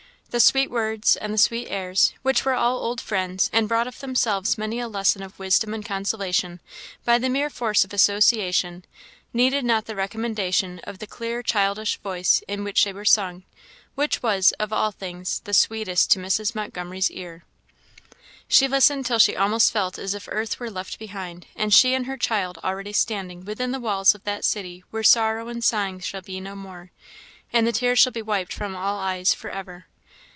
The sweet words, and the sweet airs which were all old friends, and brought of themselves many a lesson of wisdom and consolation, by the mere force of association needed not the recommendation of the clear childish voice in which they were sung, which was, of all things, the sweetest to Mrs. Montgomery's ear. She listened till she almost felt as if earth were left behind, and she and her child already standing within the walls of that city where sorrow and sighing shall be no more, and the tears shall be wiped from all eyes for ever.